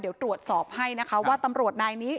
เดี๋ยวตรวจสอบให้นะคะว่าตำรวจนายนี้